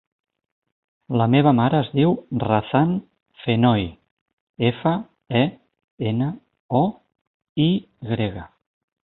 La meva mare es diu Razan Fenoy: efa, e, ena, o, i grega.